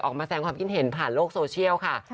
ออกมาแสงความคิดเห็นผ่านโลกโซเชียลค่ะ